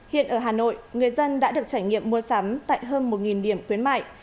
hiện ở hà nội người dân đã được trải nghiệm mua sắm tại hơn một điểm khuyến mại